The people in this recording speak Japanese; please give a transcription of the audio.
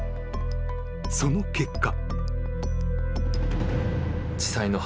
［その結果］